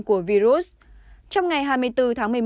của virus trong ngày hai mươi bốn tháng một mươi một